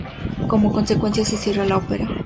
Como consecuencia, se cierra la Ópera.